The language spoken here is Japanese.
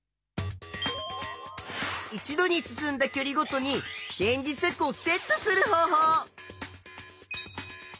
一度に進んだきょりごとに電磁石をセットする方法！